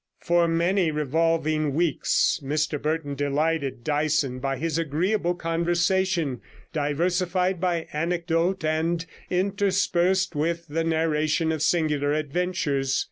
For many revolving weeks Mr Burton delighted Dyson by his agreeable conversation, diversified by anecdote, and interspersed with the narration of singular adventures.